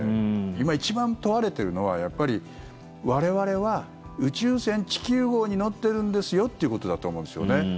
今、一番問われているのはやっぱり我々は宇宙船地球号に乗ってるんですよってことだと思うんですよね。